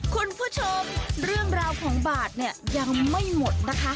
คุณผู้ชมเรื่องราวของบาทเนี่ยยังไม่หมดนะคะ